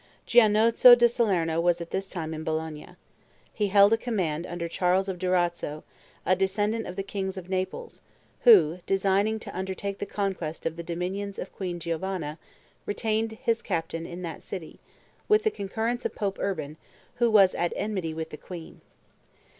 Gianozzo da Salerno was at this time in Bologna. He held a command under Charles of Durazzo, a descendant of the kings of Naples, who, designing to undertake the conquest of the dominions of Queen Giovanna, retained his captain in that city, with the concurrence of Pope Urban, who was at enmity with the queen.